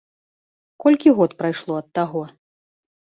Колькі год прайшло ад таго?